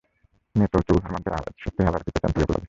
নেতো তবু হার মানতে নারাজ, সুস্থ হয়ে আবারও ফিরতে চান প্রিয় ক্লাবে।